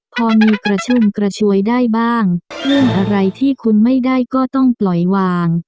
พอมีกระชุ่มกระชวยได้บ้างเรื่องอะไรที่คุณไม่ได้ก็ต้องปล่อยวาง